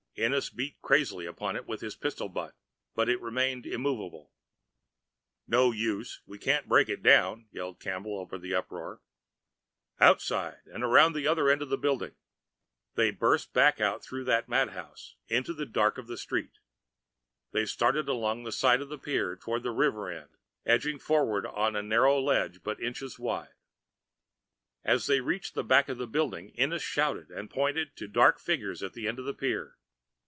Ennis beat crazily upon it with his pistol butt, but it remained immovable. "No use we can't break that down!" yelled Campbell, over the uproar. "Outside, and around to the other end of the building!" They burst back out through that mad house, into the dark of the street. They started along the side of the pier toward the river end, edging forward on a narrow ledge but inches wide. As they reached the back of the building, Ennis shouted and pointed to dark figures at the end of the pier.